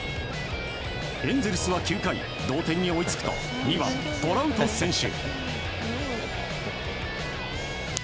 エンゼルスは９回同点に追いつくと２番、トラウト選手。